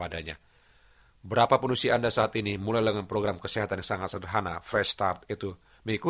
dan sehat secara fisik